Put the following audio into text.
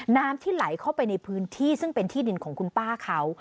น้ำที่ไหลเข้าไปในพื้นที่ซึ่งเป็นที่ดินของคุณป้าเขา